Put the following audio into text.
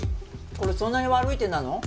これそんなに悪い手なの？